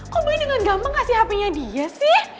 kok boleh dengan gampang kasih hape nya dia sih